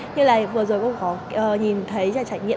như là vừa rồi cũng có nhìn thấy là trải nghiệm